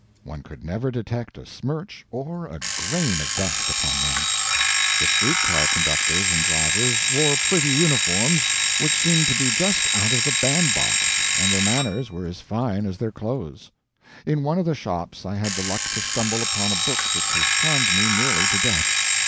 One could never detect a smirch or a grain of dust upon them. The street car conductors and drivers wore pretty uniforms which seemed to be just out of the bandbox, and their manners were as fine as their clothes. In one of the shops I had the luck to stumble upon a book which has charmed me nearly to death.